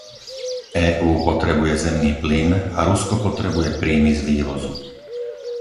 EÚ potrebuje zemný plyn a Rusko potrebuje príjmy z vývozu.